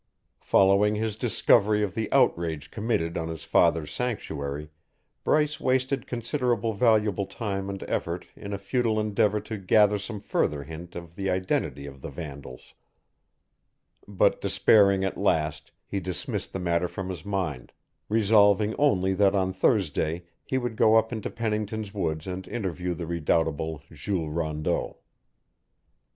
Following his discovery of the outrage committed on his father's sanctuary, Bryce wasted considerable valuable time and effort in a futile endeavour to gather some further hint of the identity of the vandals; but despairing at last, he dismissed the matter from his mind, resolving only that on Thursday he would go up into Pennington's woods and interview the redoubtable Jules Rondeau.